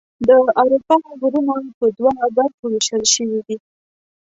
د اروپا غرونه په دوه برخو ویشل شوي دي.